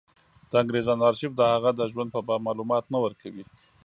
د انګرېزانو ارشیف د هغه د ژوند په باب معلومات نه ورکوي.